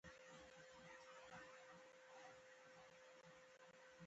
خپلواک ژوند له هر څه نه غوره ښکاري.